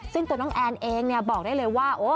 ซึ่งตัวน้องแอนเองบอกได้เลยว่า